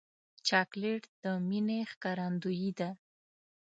چاکلېټ د مینې ښکارندویي ده.